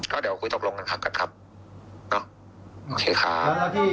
ก็เดี๋ยวคุยตกลงกันครับครับนะครับ